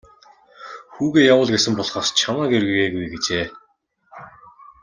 Хүүгээ явуул гэсэн болохоос чамайг ир гээгүй гэжээ.